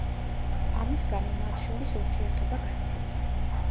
ამის გამო მათ შორის ურთიერთობა გაცივდა.